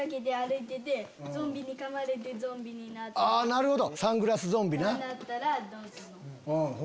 なるほど！